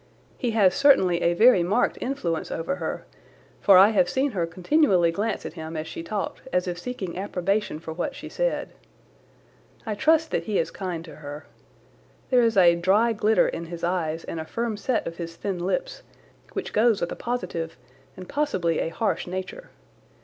He has certainly a very marked influence over her, for I have seen her continually glance at him as she talked as if seeking approbation for what she said. I trust that he is kind to her. There is a dry glitter in his eyes and a firm set of his thin lips, which goes with a positive and possibly a harsh nature.